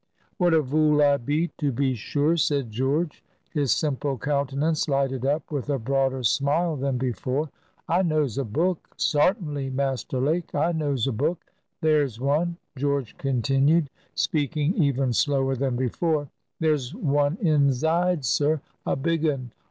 "What a vool I be, to be sure!" said George, his simple countenance lighted up with a broader smile than before. "I knows a book, sartinly, Master Lake, I knows a book. There's one," George continued, speaking even slower than before,—"there's one inzide, sir,—a big un.